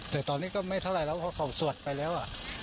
แต่ตอนนี้ก็ไม่เท่าไหร่แล้วเพราะเขาสวดไปแล้ว